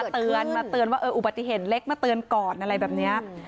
เตือนมาเตือนว่าอุบัติเหตุเล็กมาเตือนก่อนอะไรแบบนี้